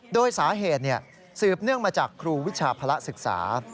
โดยสาเหตุสืบเนื่องมาจากครูวิชาภาระศึกษา